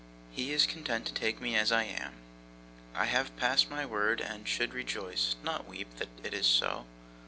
He is content to take me as I am. I have passed my word, and should rejoice, not weep, that it is so.